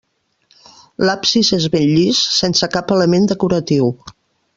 L'absis és ben llis, sense cap element decoratiu.